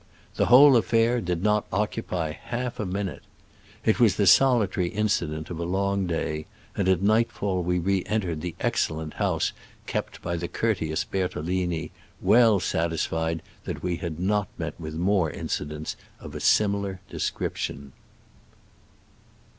The whole affair did not occupy half a minute. It was the solitary inci dent of a long day, and at nightfall we re entered the excellent house kept by the courteous Bertolini, well satisfied that we had not met with more incidents of a similar description.